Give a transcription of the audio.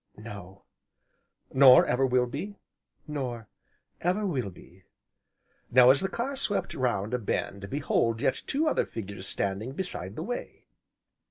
"No." "Nor ever will be?" "Nor ever will be." Now as the car swept round a bend, behold yet two other figures standing beside the way.